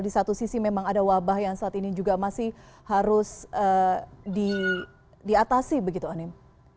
di satu sisi memang ada wabah yang saat ini juga masih harus diatasi begitu anim